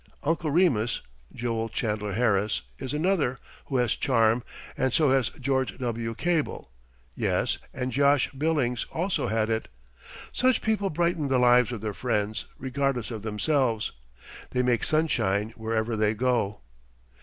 "Uncle Remus" (Joel Chandler Harris) is another who has charm, and so has George W. Cable; yes, and Josh Billings also had it. Such people brighten the lives of their friends, regardless of themselves. They make sunshine wherever they go.